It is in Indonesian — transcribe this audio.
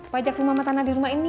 pajak rumah tanah di rumah ini